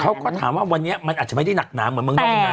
เขาก็ถามว่าวันนี้มันอาจจะไม่ได้หนักหนาเหมือนเมืองนอกเมืองนา